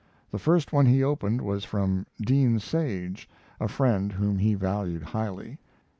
The first one he opened was from Dean Sage, a friend whom he valued highly.